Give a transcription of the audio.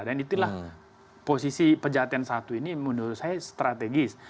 dan itulah posisi pejahatan satu ini menurut saya strategis